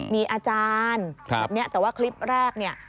มีอาจารย์แบบนี้แต่ว่าคลิปแรกเนี่ย